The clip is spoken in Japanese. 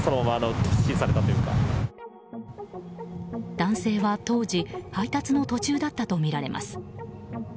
男性は、当時配達の途中だったとみられます。